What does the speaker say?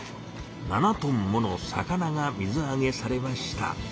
７トンもの魚が水あげされました。